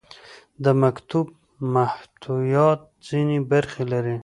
د مکتوب محتویات ځینې برخې لري.